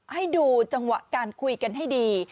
ให้ดูจังหวะการคุยกันให้ดี